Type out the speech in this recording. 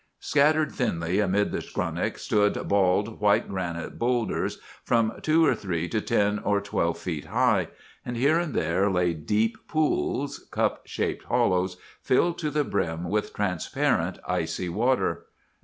"Scattered thinly amid the skronnick stood bald, white granite bowlders from two or three to ten or twelve feet high; and here and there lay deep pools,—cup shaped hollows—filled to the brim with transparent, icy water.